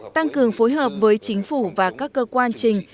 tăng cường phối hợp với chính phủ và các cơ quan trình